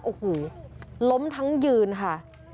โอ้โหล้มทั้งยืนค่ะ